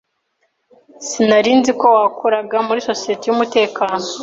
Sinari nzi ko wakoraga muri societe yumutekano.